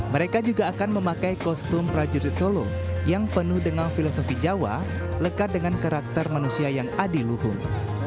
mereka juga akan memakai kostum prajurit solo yang penuh dengan filosofi jawa lekat dengan karakter manusia yang adiluhung